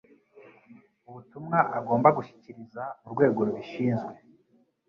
ubutumwa agomba gushyikiriza urwego rubishinzwe